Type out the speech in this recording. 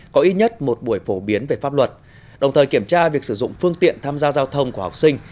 có ít nhất một buổi phổ biến về pháp luật đồng thời kiểm tra việc sử dụng phương tiện tham gia giao thông của học sinh